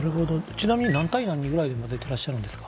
ちなみに何対何ぐらいでまぜてらっしゃるんですか？